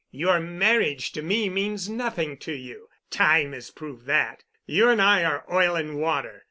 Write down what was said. Your marriage to me means nothing to you. Time has proved that. You and I are oil and water.